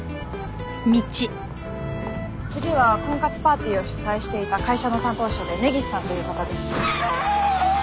次は婚活パーティーを主催していた会社の担当者で根岸さんという方です。